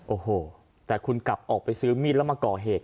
โอ้โหแต่คุณกลับออกไปซื้อมีดแล้วมาก่อเหตุ